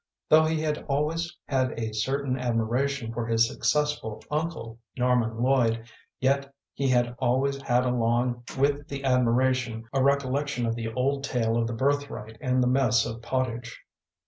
Though he had always had a certain admiration for his successful uncle, Norman Lloyd, yet he had always had along with the admiration a recollection of the old tale of the birthright and the mess of pottage.